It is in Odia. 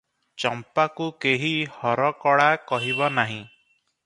ଚମ୍ପାକୁ କେହି ହରକଳା କହିବ ନାହିଁ ।